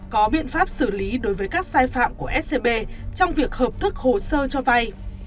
có biện pháp xử lý đối với các sai phạm của scb trong việc hợp thức hồ sơ cho vay